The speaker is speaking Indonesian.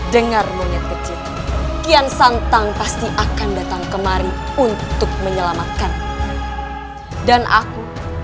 dengar monyet kecil kian santang pasti akan datang kemari untuk menyelamatkan dan aku